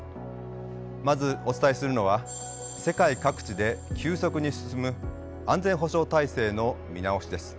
まずお伝えするのは世界各地で急速に進む安全保障体制の見直しです。